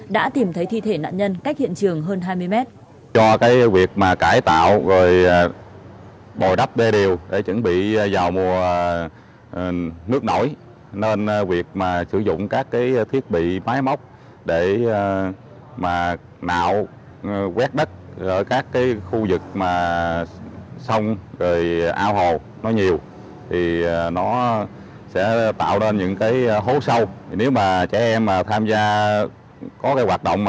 đã tìm thấy thi thể nạn nhân cách hiện trường hơn hai mươi m